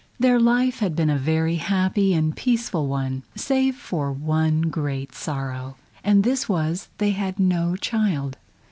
Their life had been a very happy and peaceful one save for one great sorrow, and this was they had no child.